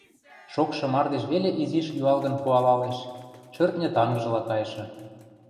Шокшы мардеж веле изиш юалгын пуалалеш, шӧртньӹ тангыжла кайшы